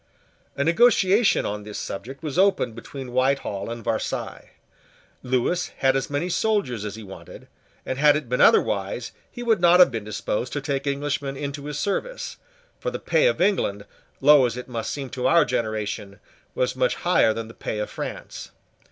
A negotiation on this subject was opened between Whitehall and Versailles. Lewis had as many soldiers as he wanted; and, had it been otherwise, he would not have been disposed to take Englishmen into his service; for the pay of England, low as it must seem to our generation, was much higher than the pay of France.